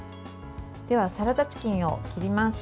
では、サラダチキンを切ります。